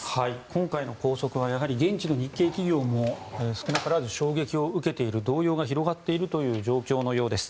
今回の拘束はやはり現地の日系企業も少なからず衝撃を受けている動揺が広がっている状況のようです。